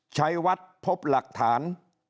ใช้วัดพบหลักฐาน